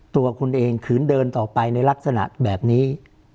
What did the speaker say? ตัวคุณเองขืนเดินต่อไปในลักษณะแบบนี้